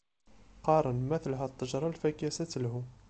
Qqaren, ma telha ṭṭejṛa, lfakya-s ad telhu.